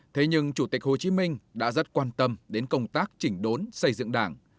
thế nhưng chủ tịch hồ chí minh đã rất quan tâm đến công tác chỉnh đốn xây dựng đảng